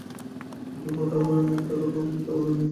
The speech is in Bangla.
কিন্তু বউঠাকরুন একটা কথাও তো মিথ্যা বলেন নাই।